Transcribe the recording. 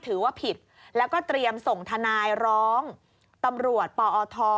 ถือว่าผิดแล้วก็เตรียมส่งทนายร้องตำรวจปอท